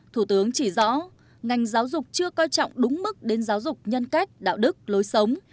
thủ tướng chỉ rõ ngành giáo dục chưa coi trọng đúng mức đến giáo dục nhân cách đạo đức lối sống